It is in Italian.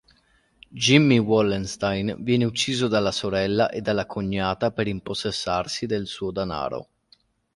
Jimmy Wallenstein viene ucciso dalla sorella e dalla cognata per impossessarsi del suo danaro.